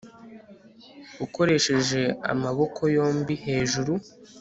Ukoresheje amaboko yombi hejuru